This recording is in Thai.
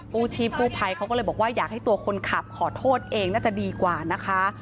ชีพกู้ภัยเขาก็เลยบอกว่าอยากให้ตัวคนขับขอโทษเองน่าจะดีกว่านะคะ